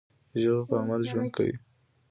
ژبه په عمل ژوند کوي.